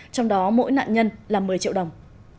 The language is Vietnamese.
trong đó mỗi nạn nhân là một mươi triệu đồng